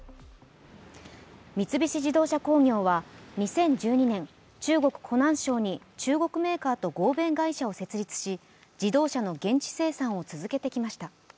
三菱自動車工業は２０１２年、中国・湖南省に中国メーカーと合弁会社を設立し自動車の現地生産を続けてきました。